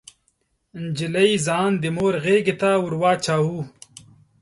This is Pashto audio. نجلۍ ځان د مور غيږې ته ور واچاوه.